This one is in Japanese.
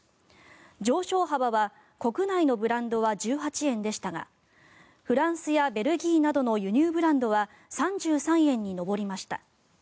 上昇幅は国内のブランドは１８円でしたがフランスやベルギーなどの輸入ブランドは３３円に上りました。